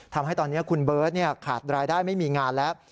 ทำให้ตอนนี้คุณเบิร์ตขาดรายได้ไม่มีงานแล้ว